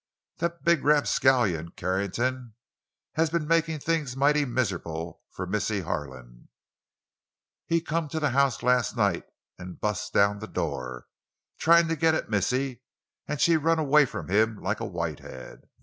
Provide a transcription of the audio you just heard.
"That big rapscallion, Carrington, has been makin' things mighty mis'able for Missy Harlan. He come to the house las' night an' bust the door down, tryin' to git at missy, an' she's run away from him like a whitehead.